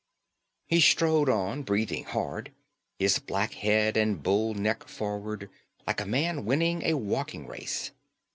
He strode on, breathing hard, his black head and bull neck forward, like a man winning a walking race.